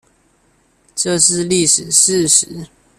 這是歷史事實